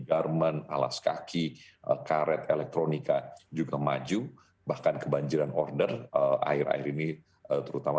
garmen alas kaki karet elektronika juga maju bahkan kebanjiran order akhir akhir ini terutama